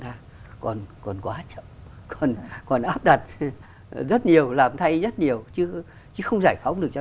ta còn còn quá chậm còn áp đặt rất nhiều làm thay rất nhiều chứ chứ không giải phóng được cho